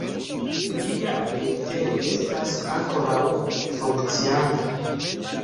Lia agentejo estas ankoraŭ funkcianta.